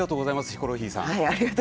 ヒコロヒーさん。